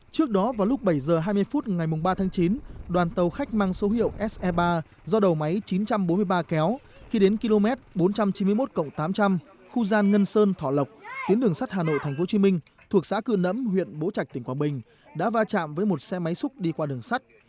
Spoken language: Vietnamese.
trước đó vào lúc bảy h hai mươi phút ngày ba tháng chín đoàn tàu khách mang số hiệu se ba do đầu máy chín trăm bốn mươi ba kéo khi đến km bốn trăm chín mươi một tám trăm linh khu gian ngân sơn thọ lộc tuyến đường sắt hà nội tp hcm thuộc xã cư nẫm huyện bố trạch tỉnh quảng bình đã va chạm với một xe máy xúc đi qua đường sắt